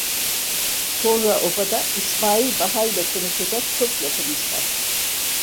Sonra obada İsmail Baha'yla konuşacak çok lafımız var…